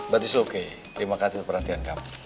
but it's okay terima kasih perhatian kamu